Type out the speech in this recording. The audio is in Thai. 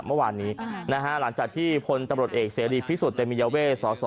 เมื่อวานนี้นะฮะหลังจากที่พลตบรดเอกเซรียร์พิสุทธิ์เตมียาเว่สอสอ